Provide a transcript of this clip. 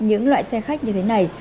những loại xe khách như thế này